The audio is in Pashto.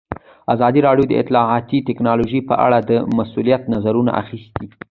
ازادي راډیو د اطلاعاتی تکنالوژي په اړه د مسؤلینو نظرونه اخیستي.